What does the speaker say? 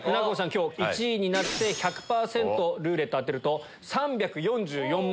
今日１位になって１００％ルーレット当てると。